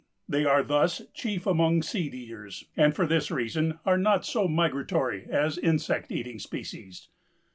They are thus chief among seed eaters, and for this reason are not so migratory as insect eating species."